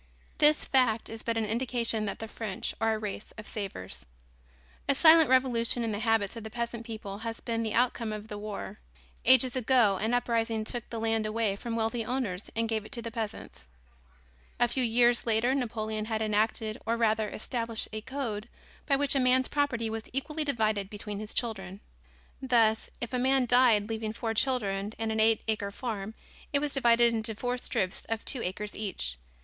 This fact is but an indication that the French are a race of savers. A silent revolution in the habits of the peasant people has been the outcome of the war. Ages ago an uprising took the land away from wealthy owners and gave it to the peasants. A few years later Napoleon had enacted or rather established a Code by which a man's property was equally divided between his children. Thus, if a man died leaving four children and an eight acre farm, it was divided into four strips of two acres each.